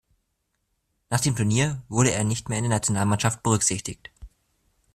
Nach dem Turnier wurde er nicht mehr in der Nationalmannschaft berücksichtigt.